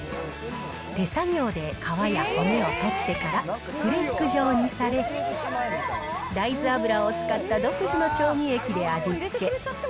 手作業で皮や骨を取ってから、フレーク状にされ、大豆油を使った独自の調味液で味付け。